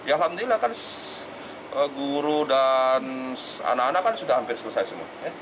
alhamdulillah kan guru dan anak anak kan sudah hampir selesai semua